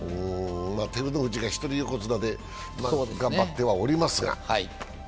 照ノ富士が一人横綱で頑張ってはおりますが。